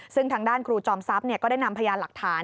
ซึ่งทางด้านครูจอมทรัพย์ก็ได้นำพยานหลักฐาน